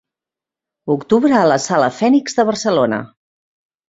Octubre a la Sala Fènix de Barcelona.